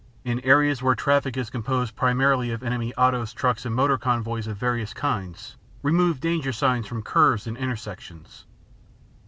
In areas where traffic is composed primarily of enemy autos, trucks, and motor convoys of various kinds remove danger signals from curves and intersections.